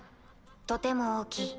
とても大きい。